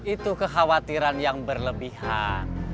itu kekhawatiran yang berlebihan